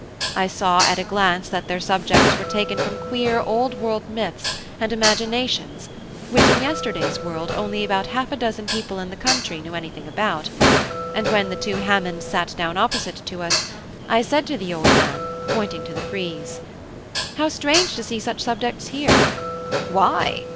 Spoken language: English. I saw at a glance that their subjects were taken from queer old world myths and imaginations which in yesterday's world only about half a dozen people in the country knew anything about; and when the two Hammonds sat down opposite to us, I said to the old man, pointing to the frieze: "How strange to see such subjects here!" "Why?"